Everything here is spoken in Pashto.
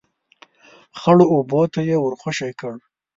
، خړو اوبو ته يې ور خوشی کړه.